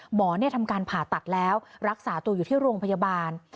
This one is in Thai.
หมอทำการผ่าตัดแล้วรักษาตัวอยู่ที่โรงพยาบาล